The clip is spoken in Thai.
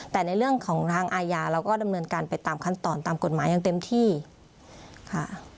แต่ในเรื่องของทางอาญาเราก็ดำเนินการไปตามขั้นตอนตามกฎหมายอย่างเต็มที่ค่ะ